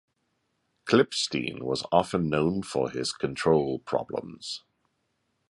Klippstein was often known for his control problems.